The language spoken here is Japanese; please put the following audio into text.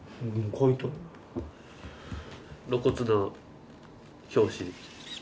露骨な表紙。